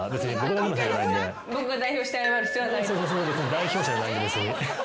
代表者じゃないんで別に。